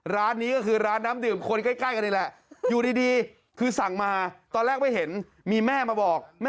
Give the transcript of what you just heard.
ร้านนี้ก็คือร้านน้ำดื่มคนใกล้กันเองแหละ